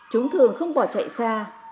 chúng thường không bỏ chạy xa